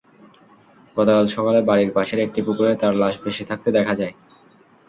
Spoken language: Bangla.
গতকাল সকালে বাড়ির পাশের একটি পুকুরে তাঁর লাশ ভেসে থাকতে দেখা যায়।